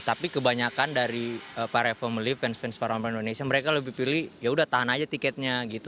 tapi kebanyakan dari para family fans fans paramer indonesia mereka lebih pilih yaudah tahan aja tiketnya gitu